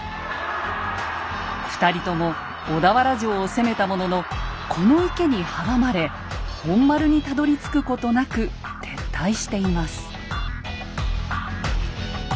２人とも小田原城を攻めたもののこの池に阻まれ本丸にたどりつくことなく撤退しています。